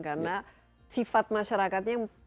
karena sifat masyarakatnya